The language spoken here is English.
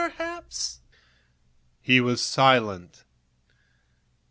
He was silent.